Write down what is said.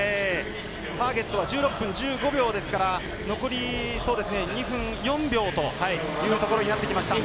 ターゲットは１６分１５秒ですから残り２分４秒というところになってきました。